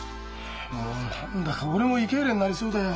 もう何だか俺も胃けいれんになりそうだよ。